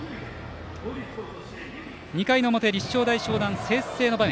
２回の表、立正大淞南先制の場面。